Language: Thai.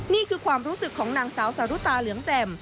นี่คือความรู้สึกของนางสาวสารุตาเหลืองแจ่ม